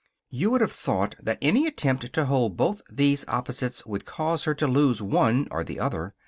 You would have thought that any attempt to hold both these opposites would cause her to lose one or the other.